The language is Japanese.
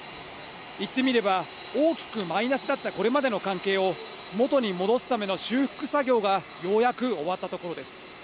言ってみれば、大きくマイナスだったこれまでの関係を元に戻すための修復作業がようやく終わったところです。